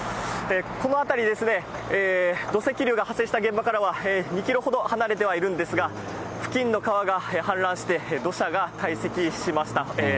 この辺り、土石流が発生した現場からは、２キロほど離れてはいるんですが、付近の川が氾濫して、土砂が堆積しました。